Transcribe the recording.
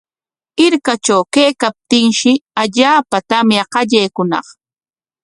Hirkatraw kaykaptinshi allaapa tamya qallaykuñaq.